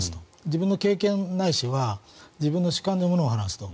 自分の経験、ないしは自分の主観でものを話すと。